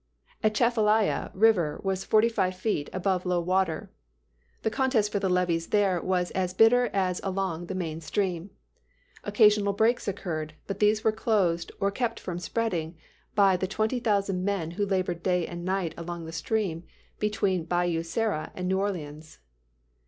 Atchafalaya River was forty five feet above low water. The contest for the levees there was as bitter as along the main stream. Occasional breaks occurred, but they were closed or kept from spreading by the twenty thousand men who labored day and night along the stream between Bayou Sara and New Orleans.